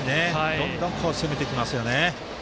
どんどん攻めてきますよね。